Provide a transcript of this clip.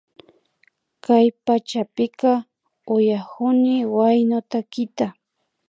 Kay pachapika uyakuni huyano takita